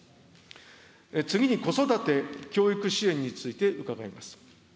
次に子育て・教育支援について伺います。